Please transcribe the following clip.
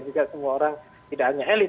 juga semua orang tidak hanya elit